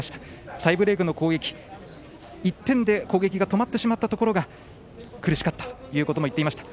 タイブレークの攻撃１点で攻撃が止まってしまったところが苦しかったというのも言っていました。